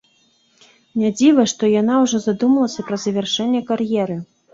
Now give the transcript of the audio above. Не дзіва, што яна ўжо задумалася пра завяршэнне кар'еры.